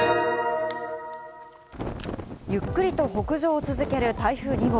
ゆっくりと北上を続ける台風２号。